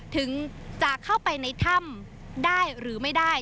ถึงจะเข้าไปในถ้ำได้หรือไม่ได้